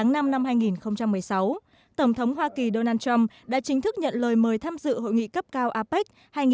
năm hai nghìn một mươi sáu tổng thống hoa kỳ donald trump đã chính thức nhận lời mời tham dự hội nghị cấp cao apec hai nghìn một mươi bảy